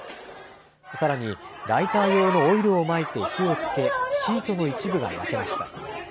さらにライター用のオイルをまいて火をつけ、シートの一部が焼けました。